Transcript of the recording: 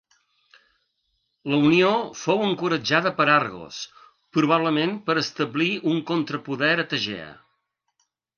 La unió fou encoratjada per Argos, probablement per establir un contrapoder a Tegea.